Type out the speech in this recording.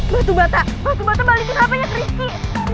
batu bata batu bata balikin hpnya rizky